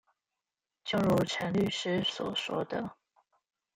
就如陳律師所說的